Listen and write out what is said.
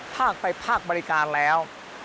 ภาคไปภาคบริการแล้ว